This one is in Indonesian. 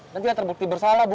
nanti yang terbukti bersalah bu